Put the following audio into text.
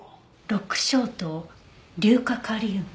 緑青と硫化カリウム。